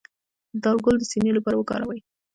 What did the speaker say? د دال ګل د سینې لپاره وکاروئ